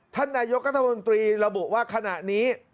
ท่านนายกรัฐมนตรีระบุว่าขณะนี้